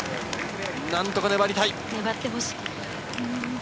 なんとか粘りたい。